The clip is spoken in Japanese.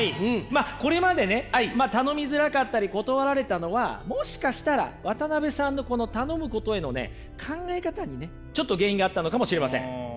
まあこれまでね頼みづらかったり断られたのはもしかしたら渡辺さんのこの頼むことへのね考え方にねちょっと原因があったのかもしれません。